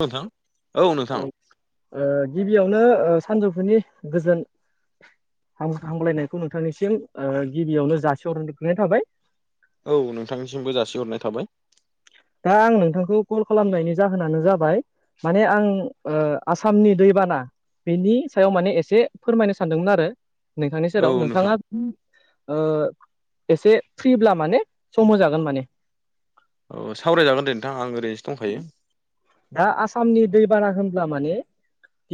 नोंथां औ नोंथां। ओ गिबियावनो सानजौफुनि गोजोन। हामलायनायखौ नोंथांनिसिम गिबियावनो जासेहर गोग्लैनाय थाबाय औ नोंथांनिसिमबो जासिहरनाय थाबाय दा आं नोंथांखौ कल खालामनायनि जाहोनानो जाबाय। माने आं आसामनि दैबाना। बेनि सायाव माने एसे फोरमायनो सानदोंमोन आरो नोंथांनि औ सेराव नोंथां नोंथाङा एसे फ्रिब्ला माने सम होजागोन माने। औ सावरायजागोन दे नोंथां आं ओरैनोसो दंखायो। दा आसामनि दैबाना होनब्ला माने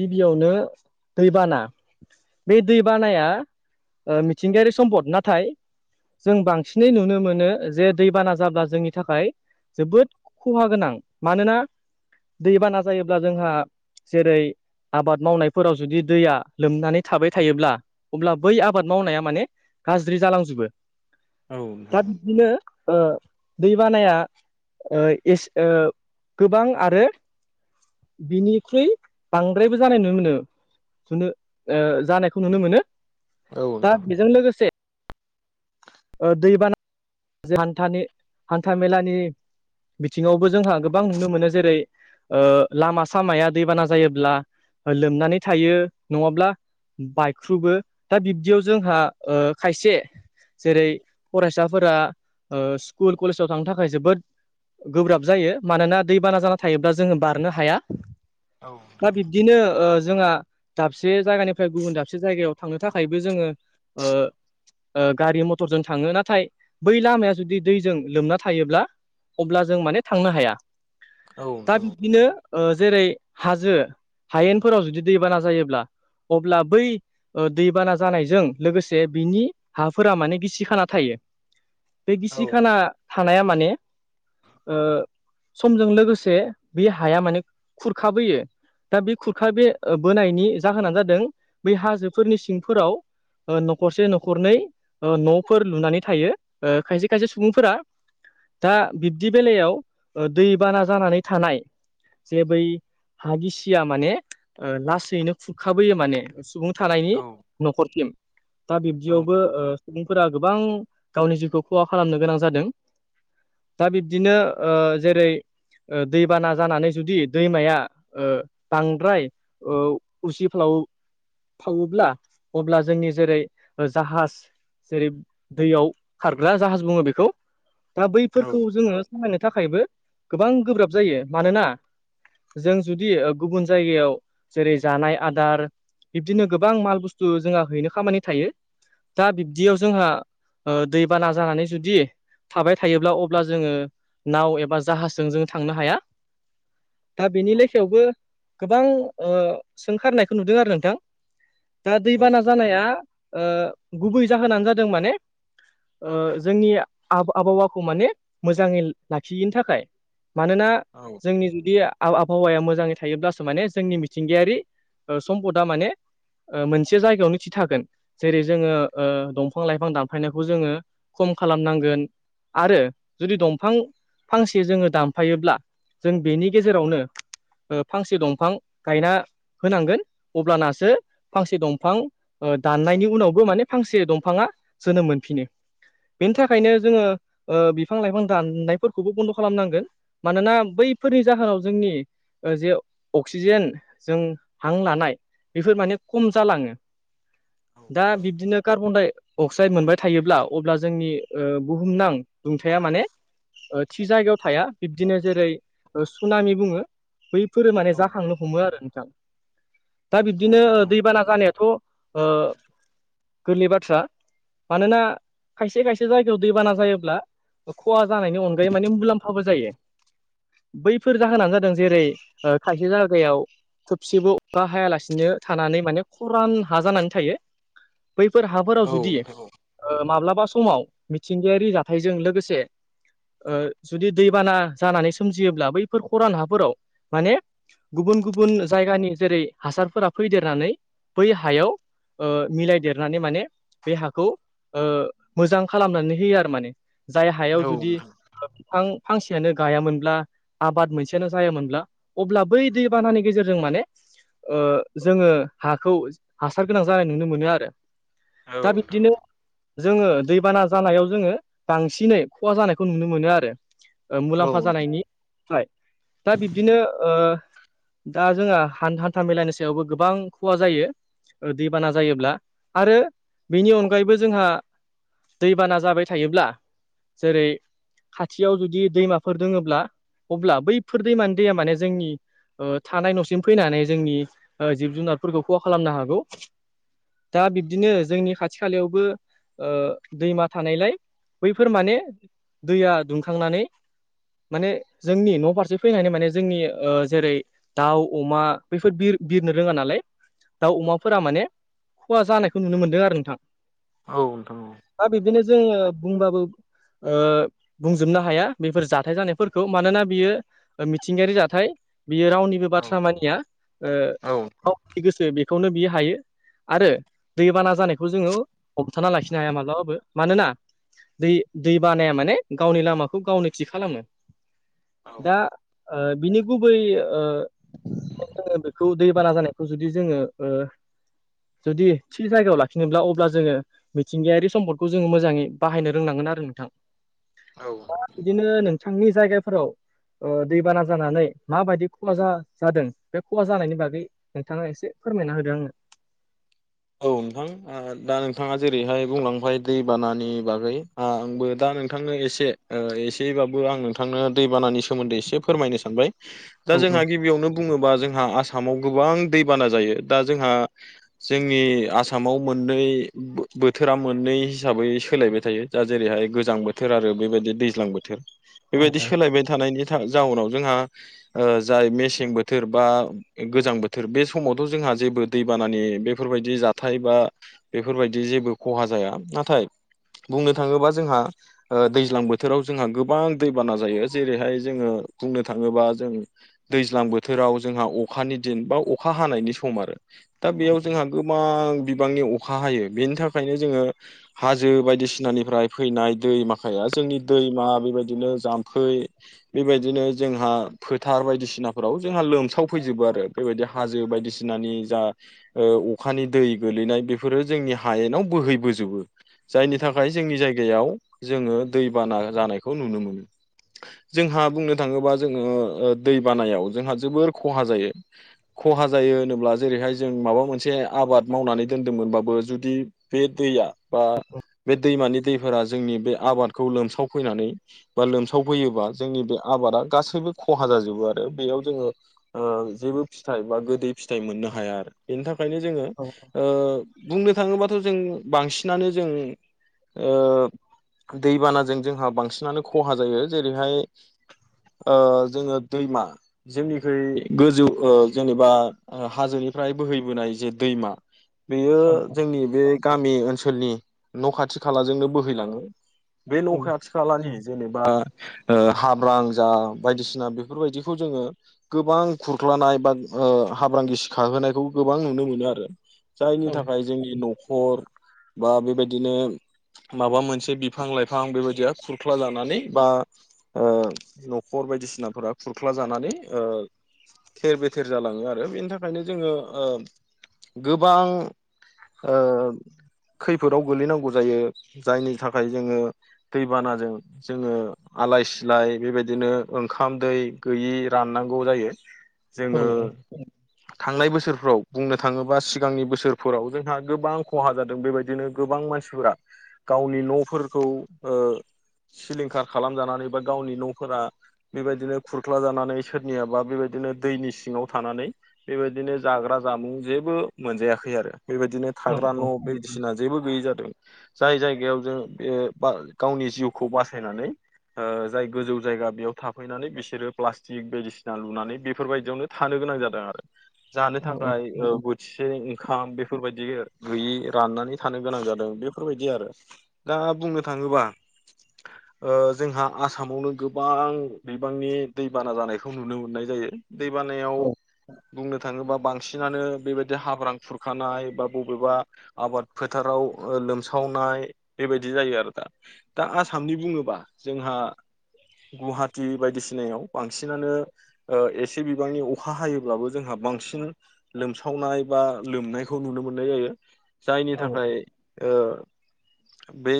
गिबियावनो दैबाना। बे दै बानाया मिथिंगायारि सम्पद नाथाय। जों बांसिनै नुनो मोनो जे दैबाना जाब्ला जोंनि थाखाय। जोबोद खहा गोनां मानोना दैबाना जायोब्ला जोंहा जेरै आबाद मावनायफोराव जुदि दैया लोमनानै थाबाय थायोब्ला अब्ला बै आबाद मावनाया माने गाज्रि जालांजोबो। औ दा बिदिनो दै बानाया एसे गोबां आरो बिनिख्रुइ बांद्रायबो जानाय नुनो मोनो सुनो जानायखौ नुनो मोनो दा नोंथां बेजों लोगोसे दैबाना हान्था मेलानि बिथिङावबो जोंहा गोबां नुनो मोनो जेरै लामा सामाया दैबाना जायोब्ला लोमनानै थायो नङाब्ला बायख्रुबो दा बिब्दियाव जोंहा खायसे जेरै फरायसाफोरा स्कुल कलेजाव थांनो थाखाय जोबोद गोब्राब जायो मानोना दैबाना जाना थायोब्ला जोङो बारनो हाया। औ दा बिब्दिनो जोंहा दाबसे जायगानिफ्राय गुबुन दाबसे जायगायाव थांनो थाखायबो जोङो गारि मथर। मटरजों थाङो नाथाय बै लामाया जुदि दैजों लोमना थायोब्ला अब्ला जों माने थांनो हाया दा नोंथां बिदिनो जेरै हाजो हायेनफोराव जुदि दैबाना जायोब्ला अब्ला बै दैबाना जानायजों लोगोसे बिनि हाफोरा माने गिसिखाना थायो बे औ नोंथां औ नोंथां औ गिसि खाना थानाया माने समजों लोगोसे बे हाया माने खुरखाबोयो दा बे खुरखा बे बोनायनि जाहोनानो जादों बै हाजोफोरनि सिंफोराव न'खरसे न'खरनै न'फोर लुनानै थायो खायसे खायसे सुबुंफोरा दा बिब्दि बेलायाव दैबाना जानानै थानाय जे बै हा गिसिया माने लासैनो खुरखाबोयो माने सुबुं औ थानायनि औ न'खरसिम दा बिब्दियावबो औ फोरा गोबां गावनि जिउखौ खहा खालामनो गोनां जादों दा बिब्दिनो जेरै दैबाना जानानै जुदि दैमाया बांद्राय उसि फालाव फाववोब्ला अब्ला जोंनि जेरै जाहाज जेरै दैयाव खारग्रा जाहाज बुङो बेखौ दा बैफोरखौ नोंथां जोङो खामायनो थाखायबो गोबां गोब्राब जायो मानोना जों जुदि गुबुन जायगायाव जेरै जानाय आदार बिब्दिनो गोबां माल बुस्थु जोंहा हैनो खामानि थायो दा बि बिदियाव जोंहा दैबाना जानानै जुदि थाबाय थायोब्ला अब्ला जोङो नाव एबा जाहाजजों जोङ थांनो हाया। दा बेनि लेखायावबो गोबां सोंखारनायखौ नुदों आरो नोंथां दा औ दैबाना जानाया गुबै जाहोनानो जादों माने ओ जोंनि आबहावाखौ माने मोजाङै लाखियैनि थाखाय मानोना औ जोंनि जुदि आबहावाया मोजाङै थायोब्लासो माने जोंनि मिथिंगायारि सम्पदा माने ओ मोनसे जायगायावनो थि थागोन जेरै जोङो दंफां लाइफां दानफायनायखौ जोङो खम खालामनांगोन आरो जुदि दंफां फांसे जोङो दानफायोब्ला जों बेनि गेजेरावनो फांसे दंफां गायना होनांगोन अब्लानासो फांसे दंफां दाननायनि उनावबो माने फांसे दंफाङा जोनोम मोनफिनो बेनि थाखायनो जोङो बिफां लाइफां दाननायफोरखौबो बन्द' खालामनांगोन मानोना बैफोरनि जाहोनाव जोंनि जे अक्सिजेन जों हां लानाय बेफोर माने खम जालाङो दा बिब्दिनो कार्बन अक्साइड मोनबाय थायोब्ला अब्ला जोंनि बुहुमनां दुंथाया माने थि जायगायाव थाया बिब्दिनो जेरै सुनामि बुङो बैफोरो माने औ जाखांनो हमो आरो नोंथां दा औ नोंथां औ नोंथां औ नोंथां औ नोंथां औ नोंथां औ बिब्दिनो दैबाना जानायाथ' गोरलै बाथ्रा मानोना खायसे खायसे जायगायाव दैबाना जायोब्ला खहा जानायनि अनगायै माने मुलाम्फाबो जायो बैफोर जाहोनानो जादों जेरै थायसे जायगायाव खोबसेबो अखा हायालासिनो थानानै माने खरान हा जानानै थायो बैफोर हाफोराव जुदि माब्लाबा समाव मिथिंगायारि जाथायजों लोगोसे जुदि दैबाना जानानै सोमजियोब्ला बैफोर खरान हाफोराव माने गुबुन गुबुन जायगानि जेरै हासारफोरा फैदेरनानै बै हायाव ओ मिलाय देर माने माने बे हाखौ मोजां खालामनानै होयो आरो माने जाय हायाव जुदि बिफां फांसेयानो गायामोनब्ला आबाद मोनसेयानो जायोमोनब्ला अब्ला बै दैबानानि गेजेरजों माने जोङो हाखौ हासार गोनां जानाय नुनो मोनो आरो दा बिदिनो जोङो दैबाना जानायाव जोङो बांसिनै खहा जानायखौ नुनो मोनो आरो मुलाम्फा जानायनि थाखाय दा बिब्दिनो दा जोंहा हान्था हान्था मेलानि सायावबो गोबां खहा जायो दैबाना जायोब्ला आरो बिनि अनगायैबो जोंहा दैबाना जाबाय थायोब्ला जेरै खाथियाव जुदि दैमाफोर दोङोब्ला अब्ला बैफोर दैमानि दैया माने जोंनि थानाय न'सिम फैनानै जोंनि जिब जुनारफोरखौ खहा खालामनो हागौ दा बिब्दिनो जोंनि खाथि खालायावबो दैमा थानायलाय बैफोर माने दैया दुंखांनानै माने जोंनि न' फारसे फैनानै माने जोंनि जेरै दाउ अमा बैफोर बिर बिरनो रोङा नालाय दाउ अमाफोरा माने खहा जानायखौ नुनो मोनदों आरो नोंथां औ नोंथां औ दा बिब्दिनो जोङो बुंबाबो ओ बुंजोबनो हाया बेफोर जाथाय जानायफोरखौ मानोना बियो मिथिंगायारि जाथाय बियो रावनिबो बाथ्रा मानिया गनि गोसो बेखौनो बियो हायो आरो दैबाना जानायखौ जोङो हमथाना लाखिनो हाया मालाबाबो मानोना दै दै बानाया माने गावनि लामाखौ गावनो थि खालामो औ दा बिनि गुबै [unintelligible] जोङो बेखौ दैबाना जानायखौ जुदि जोङो जुदि थि जायगायाव लाखिनोब्ला अब्ला जोङो मिथिंगायारि सम्दखौ जोङो मोजाङै बाहायनो रोंनांगोन आरो नोंथां औ बिदिनो नोंथांनि जायगाफोराव दैबाना जानानै माबायदि खहा जादों बे खहा जानायनि बागै नोंथाङा एसे फोरमायना होदों आंनो औ नोंथां दा नोंथाङा जेरैहाय बुंलांबाय दैबानानि बागै आंबो दा नोंथांनो एसे एसेबाबो आं नोंथांनो दैबानानि सोमोन्दै एसे फोरमायनो सानबाय [inaudible] दा जोंहा गिबियावनो बुङोबा जोंहा आसामाव गोबां दैबाना जायो दा जोंहा जोंनि आसामाव मोननै बोथोरा मोननै हिसाबै सोलायबाय थायो दा जेरैहाय गोजां बोथोर आरो बेबायदि दैज्लां बोथोर औ बेबायदि सोलायबाय थानायनि जाउनाव जोंहा जाय मेसें बोथोर बा गोजां बोथोर बे समावथ' जोंहा जेबो दैबानानि बे बेफोरबायदि जाथाय बा बेफोरबायदि जेबो खहा जाया नाथाय बुंनो थाङोबा जोंहा दैज्लां बोथोराव जोंहा गोबां दैबाना जायो जेरैहाय जोङो बुंनो थाङोबा जों दैज्लां बोथोराव जोंहा अखानि दिन बा अखा हानायनि सम आरो दा बेयाव जोंहा गोबां बिबांनि अखा हायो बेनि थाखायनो जोङो हाजो बायदिसिनानिफ्राय फैनाय दै माखाया जोंनि दैमा बेबायदिनो जाम्फै बेबायदिनो जोंहा फोथार बायदिसिनाफोराव जोंहा लोमसाव फैजोबो आरो बेबायदि हाजो बायदिसिनानि जा अखानि दै गोलैनाय बेफोरो जोंनि हायेनाव बोहैबोजोबो जायनि थाखाय जोंनि जायगायाव जोङो दैबाना जानायखौ नुनो मोनो जोंहा बुंनो थाङोबा जोङो दै बानायाव जोंहा जोबोर खहा जायो खहा जायो होनोब्ला जेरैहाय जों माबा मोनसे आबाद मावनानै दोनदोंमोनबाबो जुदि बे दैया बा बे दैमानि दै फोरा जोंनि बे आबादखौ लोमसावफैनानै बा लोमसावफैयोबा जोंनि बे आबादा गासैबो खहा जाजोबो आरो बेयाव जोङो जेबो फिथाइ बा गोदै फिथाइ मोननो हाया आरो बेनि थाखायनो जोङो औ बुंनो थाङोबाथ' जों बांसिनानो जों दैबानाजों जोंहा बांसिनानो खहा जायो जेरैहाय जोङो दैमा जोंनिखै गोजौ जेनेबा हाजोनिफ्राय बोहैबोनाय जे दैमा बेयो औ जोंनि बे गामि ओनसोलनि न' खाथि खालाजोंनो बोहैलाङो बे औ न'खाथि खालानि जेनेबा हाब्रां जा बायदिसिना बेफोरबायदिखौ जोङो गोबां खुरख्लानाय बा हाब्रां गिसि खाहोनायखौ गोबां नुनो मोनो आरो जायनि औ थाखाय जोंनि न'खर बा बेबायदिनो माबा मोनसे बिफां लाइफां बेबायदिया खुरख्ला जानानै बा न'खर बायदिसिनाफोरा खुरख्ला जानानै थेर बेथेर जालाङो आरो बेनि थाखायनो जोङो गोबां खैफोदाव गोलैनांगौ जायो जायनि थाखाय जोङो दैबानाजों जोङो आलाय सिलाय बेबायदिनो ओंखाम दै गैयि राननांगौ जायो औ जोङो थांनाय बोसोर फोराव बुंनो थाङोबा सिगांनि बोसोरफोराव जोंहा गोबां खहा जादों बेबायदिनो गोबां मानसिफोरा गावनि न'फोरखौ सिलिंखार खालामजानानै बा गावनि न'फोरा बेबायदिनो खुरख्ला जानानै सोरनियाबा बेबायदिनो दैनि सिङाव थानानै बेबायदिनो जाग्रा जामुं जेबो मोनजायाखै आरो बेबायदिनो औ थाग्रा न' बायदिसिना जेबो गैयै जादों जाय जायगायाव जों बे गावनि जिउखौ बासायनानै ओ जाय गोजौ जायगा बेयाव थाफैनानै बिसोरो प्लास्टिक बायदिसिना लुनानै बेफोरबायदियावनो थानो गोनां जादों आरो जानो औ थाखाय बो थिसे ओंखाम बेफोरबायदि गैयि राननानै थानो गोनां जादों बेफोरबायदि आरो दा बुंनो थाङोबा [inaudible] जोंहा आसामावनो गोबां दैबांनि दैबाना जानायखौ नुनो मोननाय जायो दै बानायाव बुंनो थाङोबा बांसिनानो बेबायदि हाब्रां खुरखानाय बा बबेबा आबाद फोथाराव लोमसावनाय बेबायदि जायो आरो दा दा आसामनि बुङोबा जोंहा गुवाहाटि बायदिसिनायाव बांसिनानो एसे बिबांनि अखा हायोब्लाबो जोंहा बांसिन लोमसावनाय बा लोमनायखौ नुनो मोननाय जायो जायनि औ थाखाय ओ बै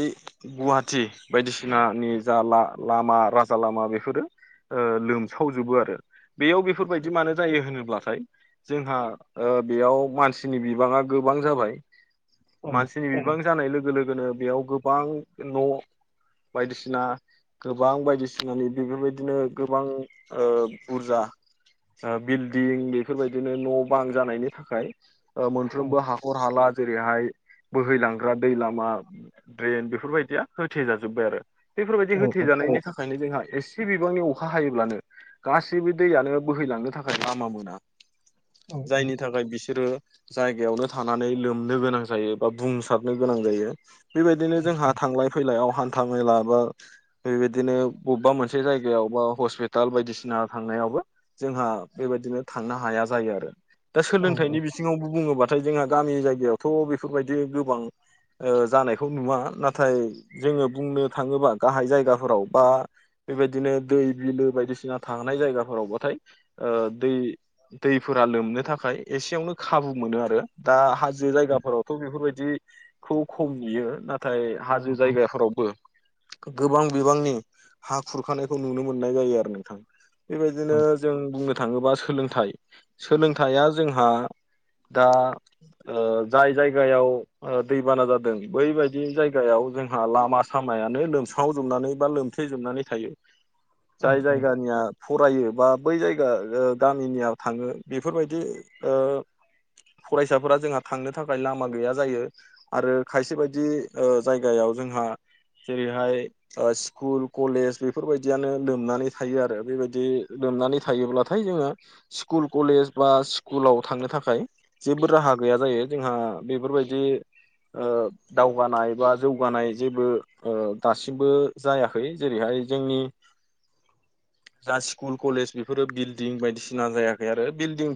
गुवाहाटि बायदिसिनानि जा ला लामा राजा लामा बेफोरो ओ‌ लोमसावजोबो आरो बेयाव बेफोरबायदि मानो जायो होनोब्लाथाय जोंहा ओ बेयाव मानसिनि बिबाङा गोबां जाबाय औ मानसिनि गोबां जानाय लोगो लोगोनो बेयाव गोबां न' बायदिसिना गोबां बायदिसिनानि बेफोरबायदिनो गोबां बुरजा बिल्डिं बि बेफोरबायदिनो न' बां जानायनि थाखाय मोनफ्रोमबो हाखर हाला जेरैहाय बोहैलांग्रा दै लामा द्रेन बेफोरबायदिया होथेजाजोब्बाय आरो बेफोरबायदि होथे जानायनि था खायनो जोंहा एसे बिबांनि अखा हायोब्लानो गासैबो दैयानो बोहैलांनो थाखाय लामा मोना जायनि थाखाय बिसोरो जायगायावनो थानानै लोमनो गोनां जायो बा बुंसारनो गोनां जायो बेबायदिनो जोंहा थांलाय फैलायाव हान्था मेला बा बेबायदिनो बबेबा मोनसे जायगायाव बा हस्पिटाल बायदिसिना थांनायावबो जोंहा बेबायदिनो थांनो हाया जायो आरो दा सोलोंथाइनि बि थिङावबो बुङोबाथाय जोंहा गामि जायगायावथ' बेफोरबायदि गोबां ओ जानायखौ नुवा नाथाय जोङो बुंनो थाङोबा गाहाय जायगाफोराव बा बेबायदिनो दै बिलो बायदिसिना थांनाय जायगाफोरावबाथाय ओ दै दैफोरा लोमनो थाखाय एसेयावनो खाबु मोनो आरो दा हा जो जायगाफोरावथ' बेफोरबायदिखौ खम नुयो ना नाथाय हाजो जायगाफोरावबो गोबां बिबांनि हा खुरखानायखौ नुनो मोननाय जायो आरो नोंथां बेबायदिनो जों बुंनो थाङोबा सोलोंथाइ सोलोंथाइया जोंहा दा ओ जाय जायगायाव दैबाना जादों बैबायदि जायगायाव जोंहा लामा सामायानो लोमसङाव जोबनानै बा लोमथे जोबनानै थायो [inaudible] जाय जायगानिया फरायो बा बै जायगा गा मिनिया थाङो बेफोरबायदि ओ फरायसाफोरा जोंहा थांनो थाखाय लामा गैया जायो आरो खायसे बायदि जायगायाव जोंहा जेरैहाय स्कुल कलेज बेफोरबायदियानो लोमनानै थायो आरो बेबायदि लोमनानै थायोब्लाथाय जोङो स्कुल कलेज बा स्कुलाव थांनो थाखाय जेबो राहा गैया जायो जोंहा बेफोरबायदि ओ दावगानाय बा जौगानाय जेबो ओ दासिमबो जायाखै जेरैहाय जोंनि [inaudible] जा स्कुल कलेज बेफोरो बिल्डिं बायदिसिना जायाखै आरो बिल्डिं